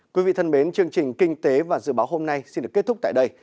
quý vị thân mến chương trình kinh tế và dự báo hôm nay xin được kết thúc tại đây